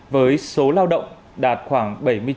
với số lao động đạt khoảng bảy mươi chín